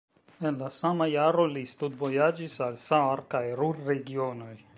En la sama jaro li studvojaĝis al Saar kaj Ruhr-regionoj.